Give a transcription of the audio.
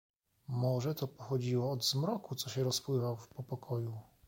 "Może to pochodziło od zmroku, co się rozpływał po pokoju."